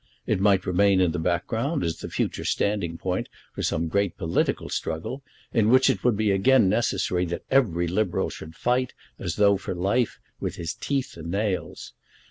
It might remain in the background as the future standing point for some great political struggle, in which it would be again necessary that every Liberal should fight, as though for life, with his teeth and nails.